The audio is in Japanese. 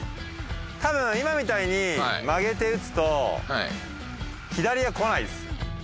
たぶん今みたいに曲げて打つと左がこないですよ。